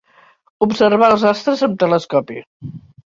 Observar els astres amb telescopi.